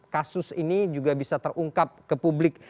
kasus ini juga bisa terungkap ke publik